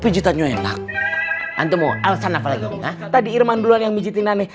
pijitannya enak antumu alasan apa lagi tadi